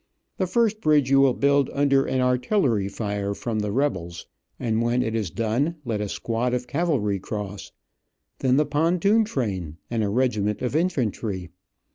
The first bridge you will build under an artillery fire from the rebels, and when it is done let a squad of cavalry cross, then the pontoon train, and a regiment of infantry.